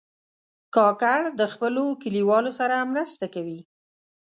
کاکړ د خپلو کلیوالو سره مرسته کوي.